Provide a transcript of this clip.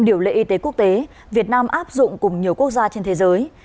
điều lệ y tế quốc tế việt nam áp dụng cùng nhiều quốc gia trên thế giới